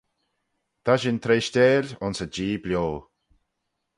Ta shin treishteil ayns y Jee bio.